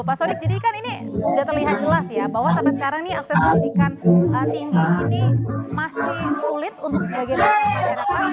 pak sodik jadi kan ini sudah terlihat jelas ya bahwa sampai sekarang ini akses pendidikan tinggi ini masih sulit untuk sebagian masyarakat